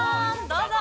どうぞ。